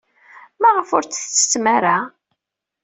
Maɣef ur tettettem ara?